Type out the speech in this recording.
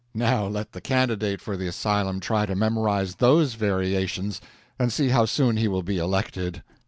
Now let the candidate for the asylum try to memorize those variations, and see how soon he will be elected.